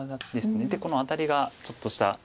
このアタリがちょっとした。